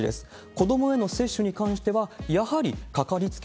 子どもへの接種に関してはやはり掛かりつけ